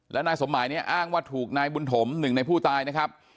แล้วนายสมหมายเนี่ยอ้างว่าถูกนายบุญถมหนึ่งในผู้ตายนะครับ